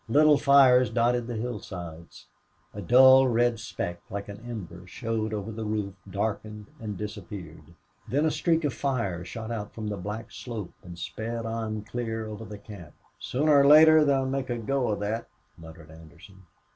Little fires dotted the hillsides. A dull red speck, like an ember, showed over the roof, darkened, and disappeared. Then a streak of fire shot out from the black slope and sped on clear over the camp. "Sooner or later they'll make a go of that," muttered Anderson.